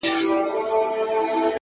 د بازار د تورو تیارو کوڅو خپل نظم وي!